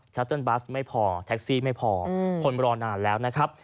เติ้ลบัสไม่พอแท็กซี่ไม่พอคนรอนานแล้วนะครับ